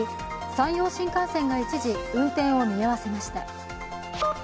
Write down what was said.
山陽新幹線が一時運転を見合わせました。